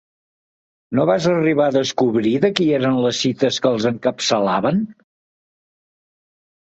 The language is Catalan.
No vas arribar a descobrir de qui eren les cites que els encapçalaven?